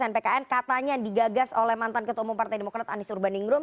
pkn katanya digagas oleh mantan ketua umum partai demokrat anies urbaningrum